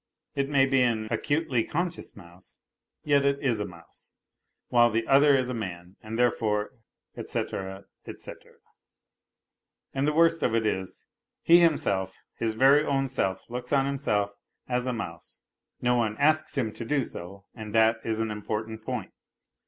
It may be an acutely conscious mouse, yet it is a mouse, while the other is a man, and therefore, et caetera, et csetera. And the worst of it is. he himself, his very own self, looks on himself as a mouse ; no one asks him to do so; and that is an important point.